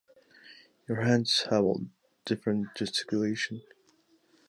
Your hands have all different gesticulation.